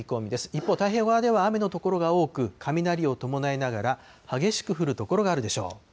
一方、太平洋側では雨の所が多く、雷を伴いながら激しく降る所があるでしょう。